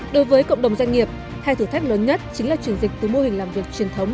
đối với cộng đồng doanh nghiệp hai thử thách lớn nhất chính là chuyển dịch từ mô hình làm việc truyền thống